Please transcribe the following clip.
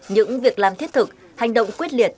những việc làm thiết thực hành động quyết liệt